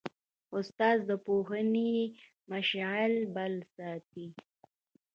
استاد د پوهنې مشعل بل ساتي.